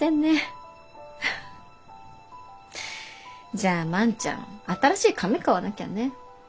じゃあ万ちゃん新しい紙買わなきゃね。